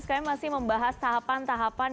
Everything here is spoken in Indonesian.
kami masih membahas tahapan tahapan